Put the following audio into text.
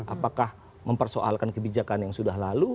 apakah mempersoalkan kebijakan yang sudah lalu